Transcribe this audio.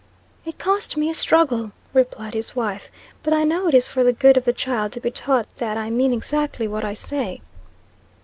'It cost me a struggle,' replied his wife; 'but I know it is for the good of the child to be taught that I mean exactly what I say.'